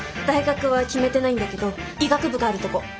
大学は決めてないんだけど医学部があるとこ。